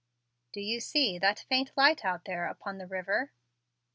"Do you see that faint light out there upon the river?"